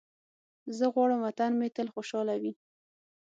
زه غواړم وطن مې تل خوشحاله وي.